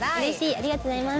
ありがとうございます。